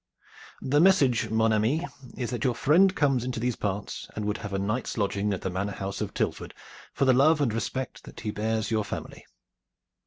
"The message, mon ami, is that your friend comes into these parts and would have a night's lodging at the manor house of Tilford for the love and respect that he bears your family."